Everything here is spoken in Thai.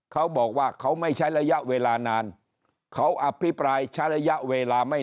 เขาบอกว่าเขาไม่ใช้ระยะเวลานานเขาอภิปรายใช้ระยะเวลาไม่